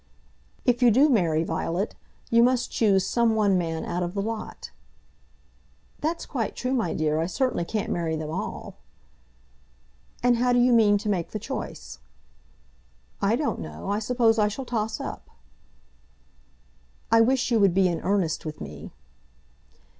"If you do marry, Violet, you must choose some one man out of the lot." "That's quite true, my dear, I certainly can't marry them all." "And how do you mean to make the choice?" "I don't know. I suppose I shall toss up." "I wish you would be in earnest with me."